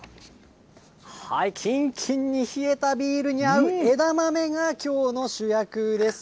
きんきんに冷えたビールに枝豆がきょうの主役です。